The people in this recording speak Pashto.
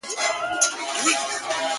• ټولنه چوپتيا ته ترجېح ورکوي تل..